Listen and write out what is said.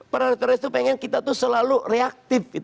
para teroris itu pengen kita selalu reaktif